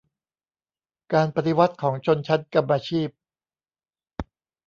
การปฏิวัติของชนชั้นกรรมาชีพ